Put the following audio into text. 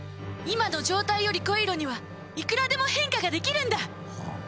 今の状態より濃い色にはいくらでも変化ができるんだ！